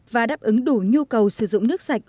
và đáp ứng đủ nhu cầu sử dụng nước sạch